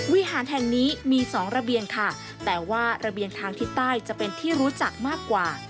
วิหารแห่งนี้มีสองระเบียงค่ะแต่ว่าระเบียงทางทิศใต้จะเป็นที่รู้จักมากกว่า